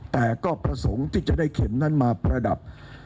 แต่ก็ประสงค์ที่จะได้เข็มนั้นมาประดับ